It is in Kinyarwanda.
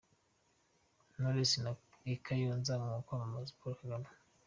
Knowless i Kayonza mu kwamamaza Paul Kagame.